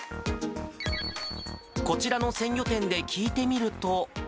こちらの鮮魚店で聞いてみると。